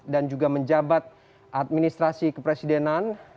dan juga menjabat administrasi kepresidenan